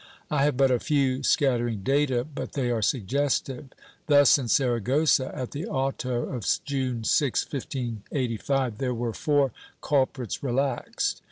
^ I have but a few scattering data, but they are suggestive. Thus, in Saragossa, at the auto of June 6, 1585, there were four culprits relaxed.